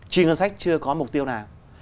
chi ngân sách chưa có mục tiêu nào